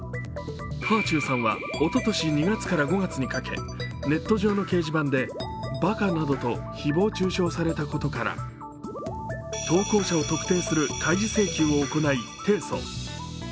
はあちゅうさんはおととし２月から５月にかけネット上の掲示板で、バカなどと誹謗中傷されたことから投稿者を特定する開示請求を行い提訴。